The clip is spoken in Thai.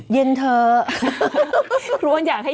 คุณบริษัทบริษัทบริษัทบริษัท